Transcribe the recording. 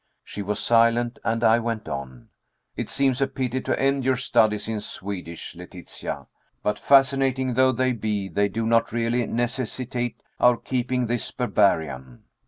She was silent, and I went on: "It seems a pity to end your studies in Swedish, Letitia, but fascinating though they be, they do not really necessitate our keeping this barbarian.